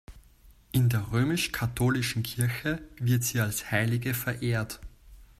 In der römisch-katholischen Kirche wird sie als Heilige verehrt.